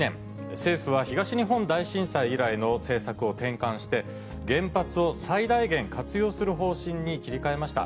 政府は東日本大震災以来の政策を転換して、原発を最大限活用する方針に切り替えました。